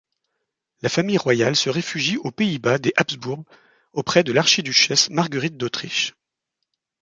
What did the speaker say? La famille royale se réfugie aux Pays-Bas des Habsbourg auprès de l'archiduchesse Marguerite d'Autriche.